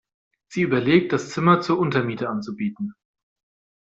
Sie überlegt, das Zimmer zur Untermiete anzubieten.